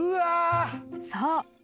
［そう。